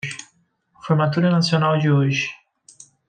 Formatura nacional de hoje